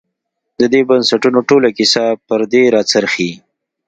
د دې بنسټونو ټوله کیسه پر دې راڅرخي.